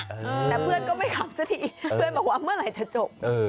แต่เพื่อนก็ไม่ขับสักทีเพื่อนบอกว่าเมื่อไหร่จะจบ